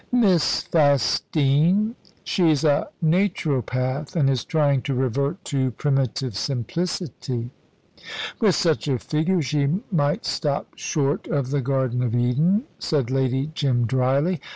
"Miss Fastine? She's a Naturopath, and is trying to revert to primitive simplicity." "With such a figure she might stop short of the Garden of Eden," said Lady Jim, dryly.